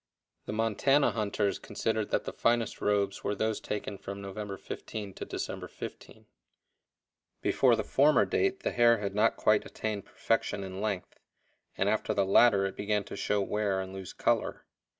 The Montana hunters considered that the finest robes were those taken from November 15 to December 15. Before the former date the hair had not quite attained perfection in length, and after the latter it began to show wear and lose color.